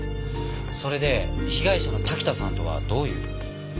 それで被害者の滝田さんとはどういう？